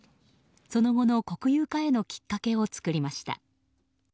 その後の国有化へのきっかけを作りました。